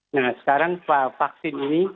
nah sekarang vaksin ini